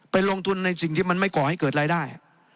ลงทุนในสิ่งที่มันไม่ก่อให้เกิดรายได้